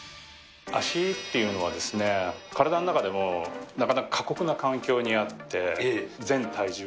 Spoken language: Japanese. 足っていうのは、体の中でもなかなか過酷な環境にあって。